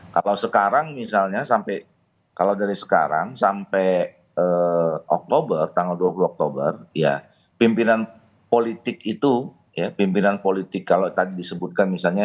kalau sekarang misalnya sampai kalau dari sekarang sampai oktober tanggal dua puluh oktober ya pimpinan politik itu ya pimpinan politik kalau tadi disebutkan misalnya